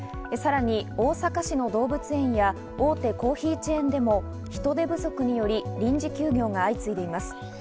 さらに大阪市の動物園や、大手コーヒーチェーンでも人手不足により臨時休業が相次いでいます。